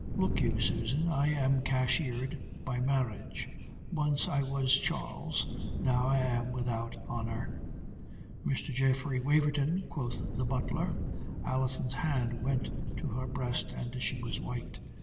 "Look you, Susan, I am cashiered by marriage. Once I was Charles. Now I am without honour." "Mr. Geoffrey Waverton," quoth the butler. Alison's hand went to her breast and she was white.